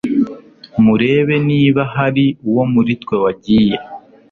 murebe niba hari uwo muri twe wagiye